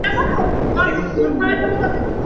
কিন্তু আমার সমুদ্রে থাকার মেয়াদ তো শেষই হচ্ছেনা!